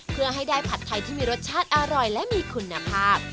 เพื่อให้ได้ผัดไทยที่มีรสชาติอร่อยและมีคุณภาพ